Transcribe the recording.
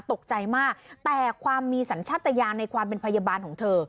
ตกใจมากแต่ความมีสัญชาติยานในความเป็นพยาบาลของเธอ